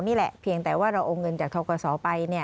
นี่แหละเพียงแต่ว่าเราโอนเงินจากทกศไป